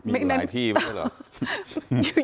มีหลายที่มาด้วยเหรอ